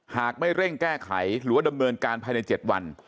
หากไม่เร่งแก้ไขหรือว่าดำเนินการภายใน๗วัน